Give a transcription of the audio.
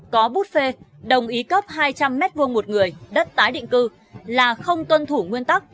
có bút phê đồng ý cấp hai trăm linh m hai một người đất tái định cư là không tuân thủ nguyên tắc